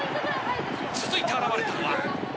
続いて現れたのは。